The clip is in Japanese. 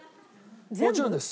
もちろんです。